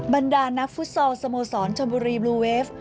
บรรดานักฟุตซอลสโมสรชมบุรีบลูเวฟ